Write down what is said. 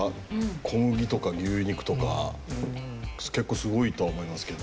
小麦とか牛肉とか結構すごいとは思いますけど。